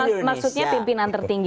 oh maksudnya pimpinan tertinggi